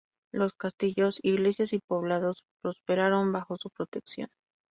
Los castillos, iglesias y poblados prosperaron bajo su protección.